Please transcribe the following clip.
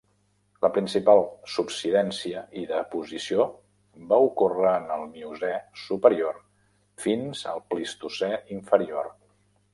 La principal subsidència i deposició va ocórrer en el Miocè superior fins al Plistocè inferior.